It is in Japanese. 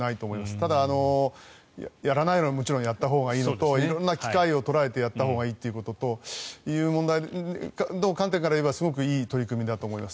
ただ、やらないよりはもちろんやったほうがいいのと色んな機会を捉えてやったほうがいいという観点から言えばすごくいい取り組みだと思います。